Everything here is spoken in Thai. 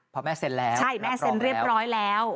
พอแม่เซ็นแล้วรัฐปรองแล้ว